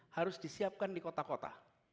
harus disiapkan di kota kota